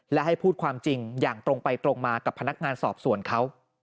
และให้พูดความจริงอย่างตรงไปตรงมากับพนักงานสอบสวนเขา